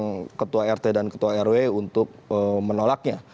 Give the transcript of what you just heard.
untuk menggalang ketua rt dan ketua rw untuk menolaknya